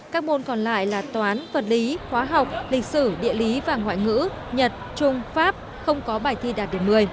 các môn còn lại là toán vật lý hóa học lịch sử địa lý và ngoại ngữ nhật trung pháp không có bài thi đạt điểm một mươi